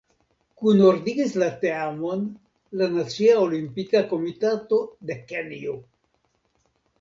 Kunordigis la teamon la "Nacia Olimpika Komitato de Kenjo".